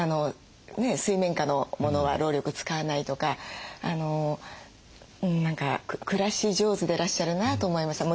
水面下のモノは労力使わないとか何か暮らし上手でいらっしゃるなと思いました。